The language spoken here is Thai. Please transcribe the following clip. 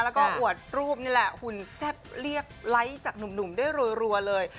แล้วก็อวดรูปนี่แหละหุ่นแซ่บเรียกไลค์จากหนุ่มได้รัวเลย